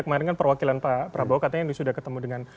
kemarin kan perwakilan pak prabowo katanya sudah ketemu dengan